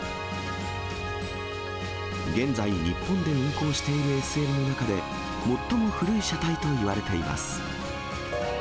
現在、日本で運行しているＳＬの中で、最も古い車体といわれています。